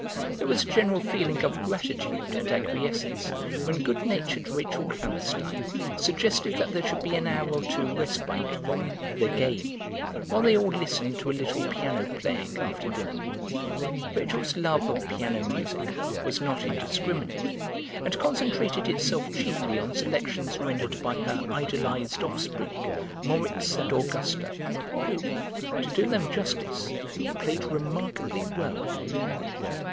There was a general feeling of gratitude and acquiescence when good natured Rachel Klammerstein suggested that there should be an hour or two's respite from "the game" while they all listened to a little piano playing after dinner. Rachel's love of piano music was not indiscriminate, and concentrated itself chiefly on selections rendered by her idolised offspring, Moritz and Augusta, who, to do them justice, played remarkably well.